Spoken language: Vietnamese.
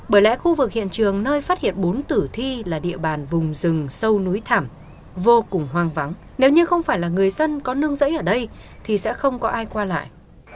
bởi lẽ khu vực hiện trường nơi phát hiện bốn tử thi là địa bàn vùng rừng sâu núi thảm vô cùng hoang vắng nếu như không phải là người dân có nương dẫy ở đây thì sẽ không có ai qua lại